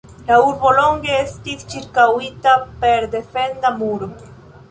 La urbo longe estis ĉirkaŭita per defenda muro.